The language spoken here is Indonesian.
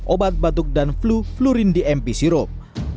obat batuk dan flu flurin dmp sirup